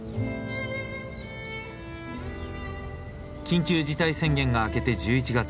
緊急事態宣言が明けて１１月。